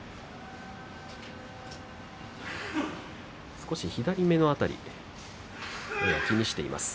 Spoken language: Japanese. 少し左目の辺り、気にしています。